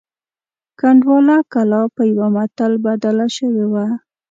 کنډواله کلا په یوه متل بدله شوې وه.